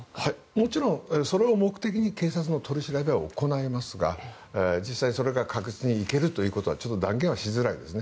もちろん、それを目的に警察の取り調べは行いますが、実際それが確実にいけるということは断言しづらいですね。